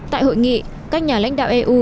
tại hội nghị các nhà lãnh đạo eu